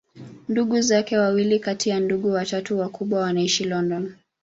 Ndugu zake wawili kati ya ndugu watatu wakubwa wanaishi London.